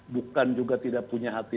bukan juga tidak punya hati